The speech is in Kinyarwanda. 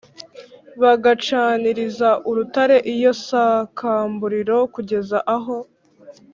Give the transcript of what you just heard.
bagacaniriza urutare iyo sakamburiro kugeza aho